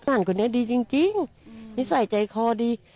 ทางร้านคนนี้ดีจริงนิสัยใจคอดี